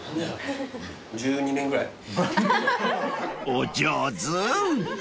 ［お上手］